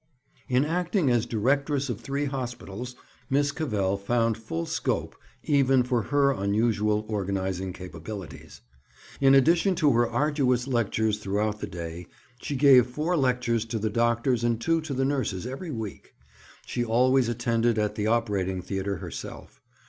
In acting as directress of three hospitals, Miss Cavell found full scope even for her unusual organizing capabilities. In addition to her arduous lectures throughout the day, she gave four lectures to the doctors and two to the nurses every week. She always attended at the operating theatre herself.